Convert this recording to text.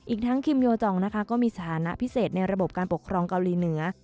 อีกทั้งคิมโยจองนะคะก็มีสถานะพิเศษในระบบการปกครองเกาหลีเหนือ